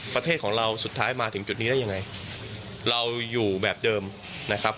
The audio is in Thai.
ประเทศของเราสุดท้ายมาถึงจุดนี้ได้ยังไงเราอยู่แบบเดิมนะครับ